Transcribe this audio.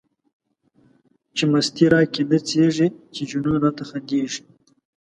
چی مستی را کی نڅيږی، چی جنون را ته خنديږی